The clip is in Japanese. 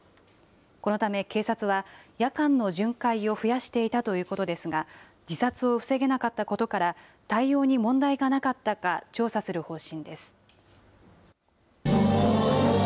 このため警察は、夜間の巡回を増やしていたということですが、自殺を防げなかったことから、対応に問題がなかったか調査する方針です。